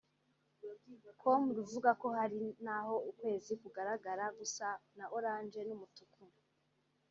com ruvuga ko hari n’aho ukwezi kugaragara gusa na Orange n’umutuku